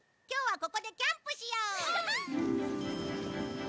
今日はここでキャンプしよう。